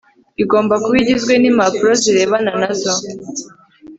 igomba kuba igizwe n impapuro zirebana nazo